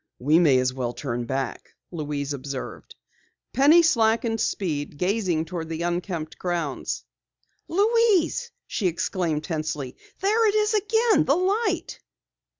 "We may as well turn back," Louise observed. Penny slackened speed, gazing toward the unkempt grounds. "Louise!" she exclaimed tensely. "There it is again! The light!"